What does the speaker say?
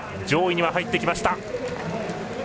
上位には入ってきました。